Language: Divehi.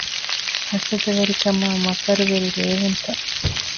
ހަސަދަވެރިކަމާއި މަކަރުވެރި ރޭވުންތައް